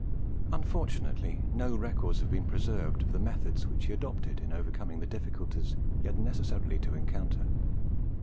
Unfortunately, no records have been preserved of the methods which he adopted in overcoming the difficulties he had necessarily to encounter.